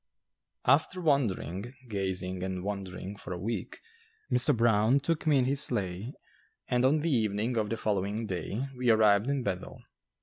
After wandering, gazing and wondering, for a week, Mr. Brown took me in his sleigh and on the evening of the following day we arrived in Bethel.